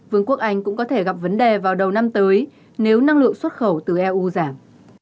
vương quốc anh cũng có thể gặp vấn đề vào đầu năm tới nếu năng lượng xuất khẩu từ eu giảm